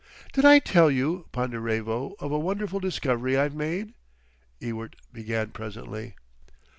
"Did I tell you, Ponderevo, of a wonderful discovery I've made?" Ewart began presently.